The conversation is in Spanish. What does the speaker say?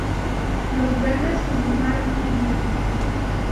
Los verdes continuaron subiendo.